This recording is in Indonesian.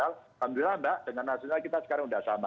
alhamdulillah mbak dengan hasilnya kita sekarang sudah sama